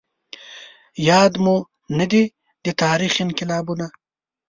ياد مو نه دي د تاريخ انقلابونه